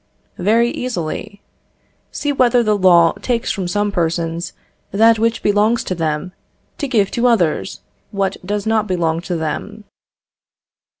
Very easily. See whether the law takes from some persons that which belongs to them, to give to others what does not belong to them.